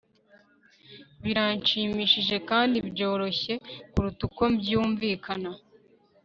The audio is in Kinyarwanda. Birashimishije kandi byoroshye kuruta uko byumvikana